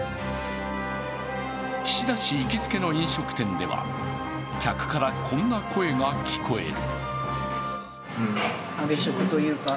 岸田氏行きつけの飲食店では、客からこんな声が聞こえる。